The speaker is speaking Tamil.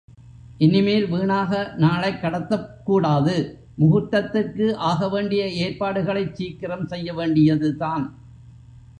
இனிமேல் வீணாக நாளைக் கடத்தக் கூடாது முகூர்த்தத்திற்கு ஆகவேண்டிய ஏற்பாடுகளைச் சீக்கிரம் செய்யவேண்டியதுதான்.